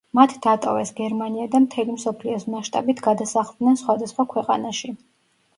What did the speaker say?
მათ დატოვეს გერმანია და მთელი მსოფლიოს მასშტაბით გადასახლდნენ სხვადასხვა ქვეყანაში.